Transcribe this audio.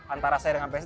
antara saya dengan psi